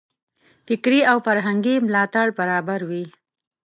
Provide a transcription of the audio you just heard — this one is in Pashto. فکري او فرهنګي ملاتړ برابروي.